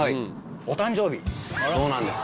そうなんです。